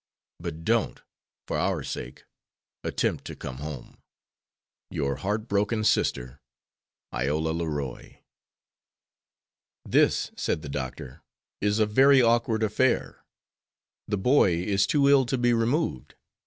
But don't, for our sake, attempt to come home. 'Your heart broken sister, 'IOLA LEROY.'" "This," said the doctor, "is a very awkward affair. The boy is too ill to be removed.